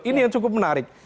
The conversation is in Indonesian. ini yang cukup menarik